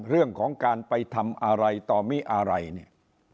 เรื่องของการไปทำอะไรต่อมิอะไรเนี่ย